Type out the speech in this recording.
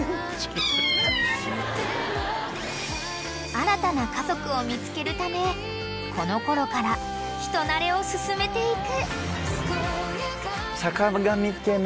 ［新たな家族を見つけるためこのころから人なれを進めていく］